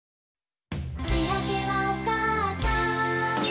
「しあげはおかあさん」